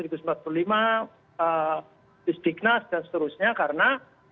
bisik dignas dan seterusnya karena